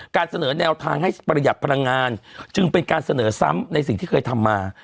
การเสนอแนวทางให้ประหยัดพลังงานจึงเป็นการเสนอซ้ำในสิ่งที่เคยทำมา